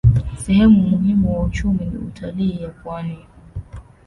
Sehemu muhimu wa uchumi ni utalii ya pwani.